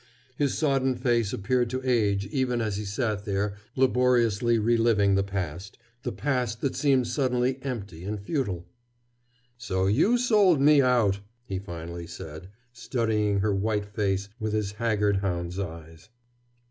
His sodden face appeared to age even as he sat there laboriously reliving the past, the past that seemed suddenly empty and futile. "So you sold me out!" he finally said, studying her white face with his haggard hound's eyes.